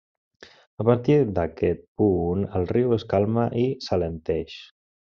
A partir d'aquest punt el riu es calma i s'alenteix.